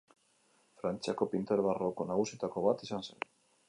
Frantziako pintore barroko nagusietako bat izan zen.